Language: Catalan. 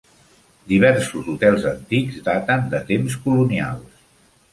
Diversos hotels antics daten de temps colonials.